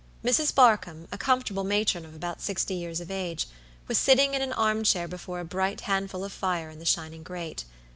Mrs. Barkamb, a comfortable matron of about sixty years of age, was sitting in an arm chair before a bright handful of fire in the shining grate.